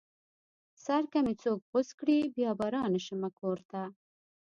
سر که مې څوک غوڅ کړې بيا به رانشمه کور ته